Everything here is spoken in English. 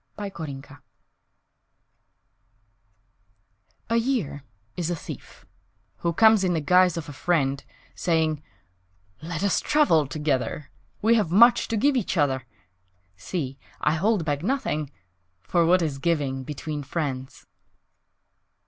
Memory A YEAR is a thief Who comes in the guise of a friend Saying, "Let us travel together, We have much to give each other. See, I hold back nothing For what is giving Between friends?"